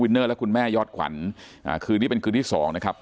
เนอร์และคุณแม่ยอดขวัญคืนนี้เป็นคืนที่สองนะครับ